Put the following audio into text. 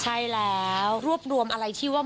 ใช่แล้วรวบรวมอะไรที่ว่า